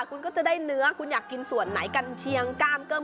คุณก็จะได้เนื้อคุณอยากกินส่วนไหนกันเชียงกล้ามเกิ้ม